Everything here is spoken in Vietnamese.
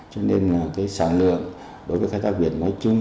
cho nên sản lượng đối với khai thác biển nói chung